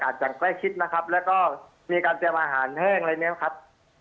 อย่างใกล้ชิดนะครับแล้วก็มีการเตรียมอาหารแห้งอะไรเนี่ยครับ